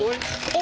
お！